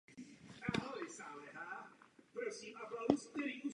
Následuje po čísle osm set osmdesát jedna a předchází číslu osm set osmdesát tři.